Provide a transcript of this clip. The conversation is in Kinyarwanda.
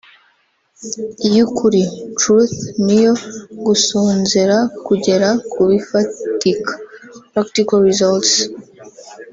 iy’Ukuri (Truth) n’iyo gusonzera kugera kubifatika (Practical Results)